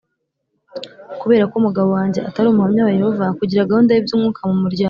Kubera ko umugabo wanjye atari Umuhamya wa Yehova kugira gahunda y iby umwuka mu muryango